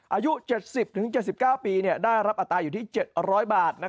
อายุ๗๐๗๙ปีได้รับอัตราอยู่ที่๗๐๐บาท